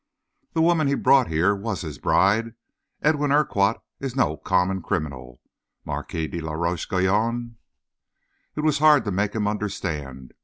"The woman he brought here was his bride. Edwin Urquhart is no common criminal, Marquis de la Roche Guyon." It was hard to make him understand.